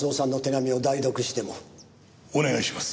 お願いします。